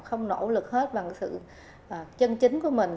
không nỗ lực hết bằng sự chân chính của mình